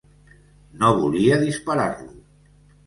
No volia disparar-lo.